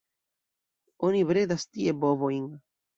Oni bredas tie bovojn.